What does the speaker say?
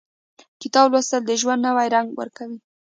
• کتاب لوستل، د ژوند نوی رنګ ورکوي.